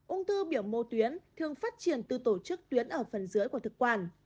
ung thư biểu mô tuyến thường phát triển từ tổ chức tuyến ở phần dưới của thực quản